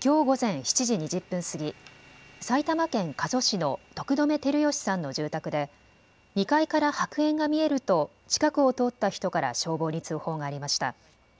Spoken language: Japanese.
きょう午前７時２０分過ぎ埼玉県加須市の徳留照義さんの住宅で、２階から白煙が見えると近くを通った人から消防に通報がありました。